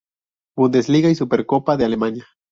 Bundesliga y Supercopa de Alemania.